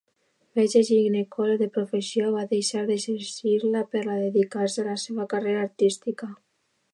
Metge ginecòleg de professió, va deixar d'exercir-la per a dedicar-se a la seva carrera artística.